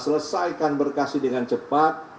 selesaikan berkasi dengan cepat